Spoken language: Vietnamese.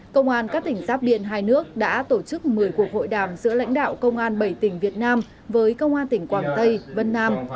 công an các tỉnh giáp biên hai nước đã tổ chức một mươi cuộc hội đàm giữa lãnh đạo công an bảy tỉnh việt nam với công an tỉnh quảng tây vân nam